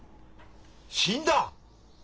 死んだ！？